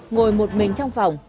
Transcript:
ngồi một mình trong phòng